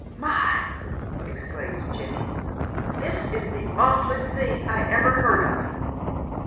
" My I " exclaims Jenny. " This is the awfuUest thing I ever heard of."